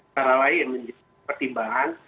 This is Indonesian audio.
yang menjadi pertimbangan